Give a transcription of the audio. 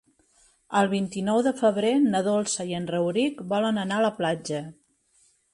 El vint-i-nou de febrer na Dolça i en Rauric volen anar a la platja.